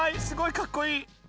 すごいかっこいい。